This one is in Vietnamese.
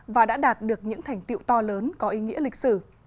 và đã đạt được những thành tiệu to lớn có ý nghĩa lịch sử